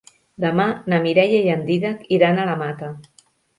Demà na Mireia i en Dídac iran a la Mata.